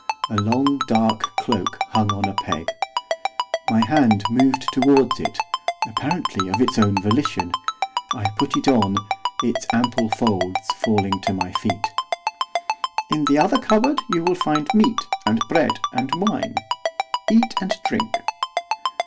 A long dark cloak hung on a peg. My hand moved towards it, apparently of its own volition. I put it on, its ample folds falling to my feet. 'In the other cupboard you will find meat, and bread, and wine. Eat and drink.